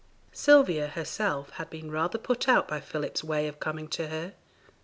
Sylvia herself had been rather put out by Philip's way of coming to her.